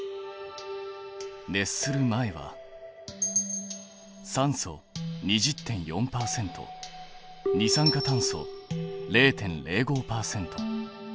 熱する前は酸素２０．４％二酸化炭素０．０５％。